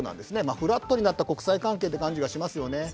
フラットになった国際関係という感じがしますよね。